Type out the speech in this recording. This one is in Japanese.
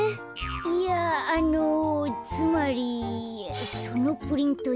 いやあのつまりそのプリント